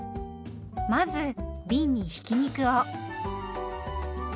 まずびんにひき肉を。